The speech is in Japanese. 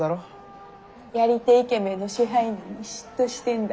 やり手イケメンの支配人に嫉妬してんだ？